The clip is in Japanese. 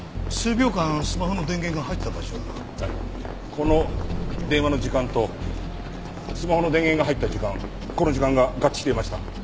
この電話の時間とスマホの電源が入った時間この時間が合致していました。